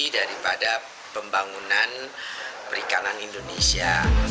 daripada pembangunan perikanan indonesia